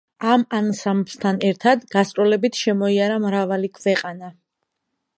ამ ანსამბლთან ერთად გასტროლებით შემოიარა მრავალი ქვეყანა.